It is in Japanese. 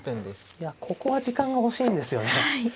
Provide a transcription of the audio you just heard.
いやここは時間が欲しいんですよね。